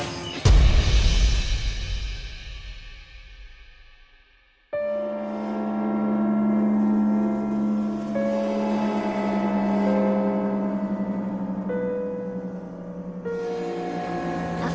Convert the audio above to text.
tidak ada yang lebih baik